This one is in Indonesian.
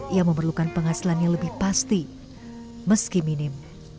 ia memerlukan penghasilannya lebih pasti meski minim